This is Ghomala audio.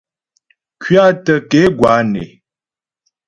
Kuatə ke gwǎ né.